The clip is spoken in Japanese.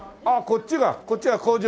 ああこっちが工場？